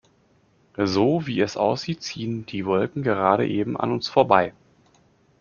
So, wie es aussieht, ziehen die Wolken gerade eben an uns vorbei.